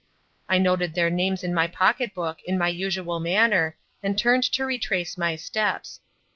I noted their names in my pocket book in my usual manner, and turned to retrace my steps.